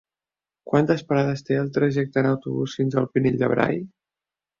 Quantes parades té el trajecte en autobús fins al Pinell de Brai?